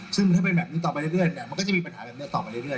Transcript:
ซึ่งถ้าเป็นแบบนี้ต่อไปเรื่อยมันก็จะมีปัญหาแบบนี้ต่อไปเรื่อย